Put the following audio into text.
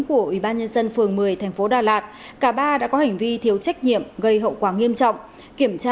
của ubnd phường một mươi thành phố đà lạt cả ba đã có hành vi thiếu trách nhiệm gây hậu quả nghiêm trọng kiểm tra